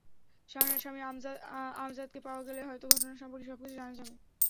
শাহানার স্বামী আমজাদকে পাওয়া গেলে হয়তো ঘটনা সম্পর্কে সবকিছু জানা যাবে।